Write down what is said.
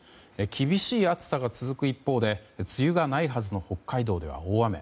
厳しい暑さが続く一方で梅雨がないはずの北海道では大雨。